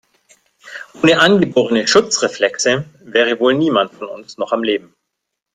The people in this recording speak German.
Ohne angeborene Schutzreflexe wäre wohl niemand von uns noch am Leben.